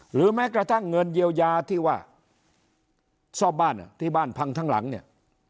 หรือแม้กระทั่งเงินเยียวยาที่ว่าซ่อมบ้านที่บ้านพังทั้งหลังเนี่ย